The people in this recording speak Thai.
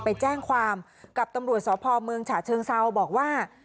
ไปแจ้งความกับตำรวจสพเมืองฉะเชิงเซาบอกว่า